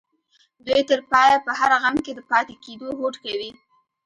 دوی تر پايه په هر غم کې د پاتې کېدو هوډ کوي.